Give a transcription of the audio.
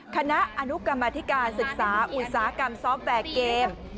คณะอนุกรรมธิการศึกษาอุตสาหกรรมซอฟต์แบบเกม